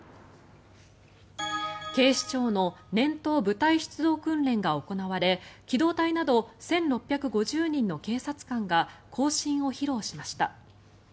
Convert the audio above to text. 警視庁の年頭部隊出動訓練が行われ機動隊など１６５０人の警察官が行進を披露しました。